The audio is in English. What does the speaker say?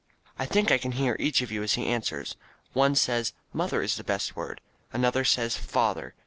I think I can hear each of you as he answers. One says "Mother is the best word." Another says, "Father."